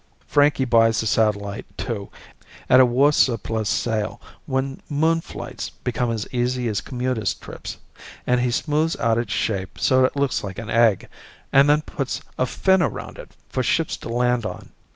Frankie buys Satellite II at a war surplus sale when moon flights become as easy as commuters' trips, and he smoothes out its shape so it looks like an egg and then puts a fin around it for ships to land on.